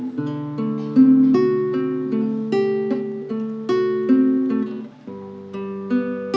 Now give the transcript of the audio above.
เชิญเลยครับ